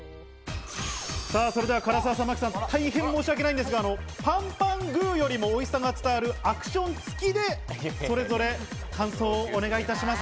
それでは唐沢さん、真木さん、申しわけないのですが、パンパングーよりもおいしさが伝わるアクション付きで感想をお願いいたします。